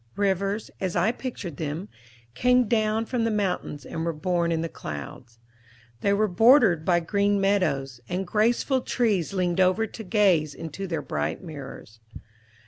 Rivers, as I pictured them, came down from the mountains, and were born in the clouds. They were bordered by green meadows, and graceful trees leaned over to gaze into their bright mirrors.